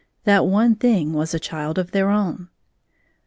That one thing was a child of their own.